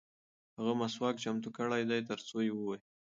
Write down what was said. هغه مسواک چمتو کړی دی ترڅو یې ووهي.